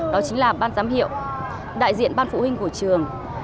đó chính là ban giám hiệu đại diện ban phụ huynh của trường